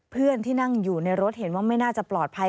เพื่อนที่นั่งอยู่ในรถเห็นว่าไม่น่าจะปลอดภัย